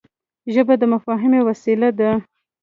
ژبه د مفاهمې وسیله ده